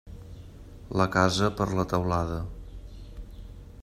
La casa per la teulada.